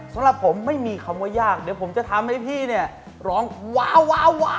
สำหรับผมไม่มีคำว่ายากเดี๋ยวผมจะทำให้พี่เนี่ยร้องวาวา